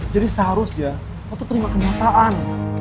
jadi seharusnya lo tuh terima kenyataan